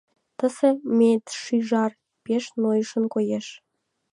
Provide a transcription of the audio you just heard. Тысе медшӱжар пеш нойышын коеш.